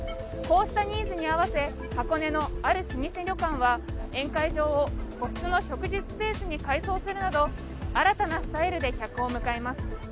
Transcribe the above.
こうしたニーズに合わせ、箱根のある老舗旅館は、宴会場を個室の食事スペースに改装するなど新たなスタイルで客を迎えます。